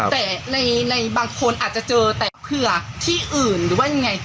แต่ในบางคนอาจจะเจอแต่เผื่อที่อื่นหรือว่ายังไง